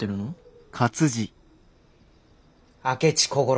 明智小五郎。